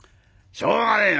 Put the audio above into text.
「しょうがねえな。